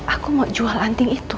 aku mau jual anting itu